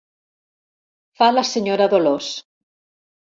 Fa la senyora Dolors.